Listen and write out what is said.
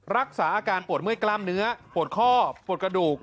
รักษาอาการปวดเมื่อยกล้ามเนื้อปวดข้อปวดกระดูก